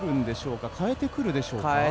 かえてくるでしょうか？